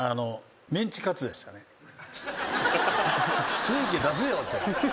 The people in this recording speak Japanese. ステーキ出せよと。